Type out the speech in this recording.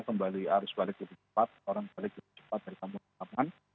kembali arus balik lebih cepat orang balik lebih cepat dari kampung halaman